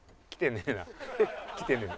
来てねえ。